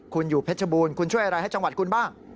คุณอยู่เพชรบูรณคุณช่วยอะไรให้จังหวัดคุณบ้าง